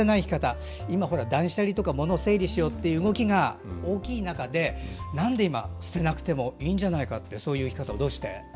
今、断捨離とか物を整理しようという動きが大きい中で、なんで今捨てなくてもいいんじゃないかとそういう生き方をどうして？